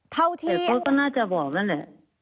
แต่โทษก็น่าจะบอกนั่นแหละ